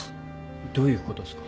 どういうことっすか？